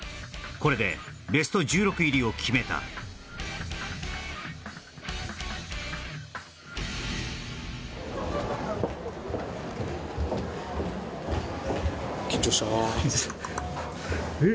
これでベスト１６入りを決めたえ